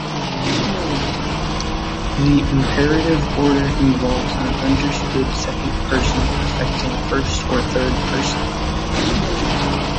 The imperative order involves an understood second person affecting first or third persons.